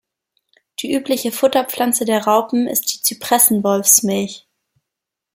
Die übliche Futterpflanze der Raupen ist die Zypressen-Wolfsmilch.